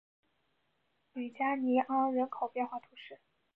吕加尼昂人口变化图示